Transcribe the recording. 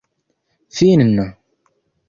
finna